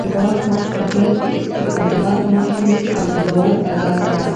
د واک محدودیت د استبداد مخه نیسي او د باور فضا ساتي